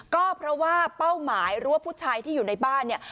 ก็เพราะว่าเป้าหมายหรือว่าผู้ชายที่อยู่ในบ้านเนี่ย